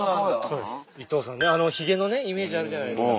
そうです伊藤さんあのヒゲのねイメージあるじゃないですか。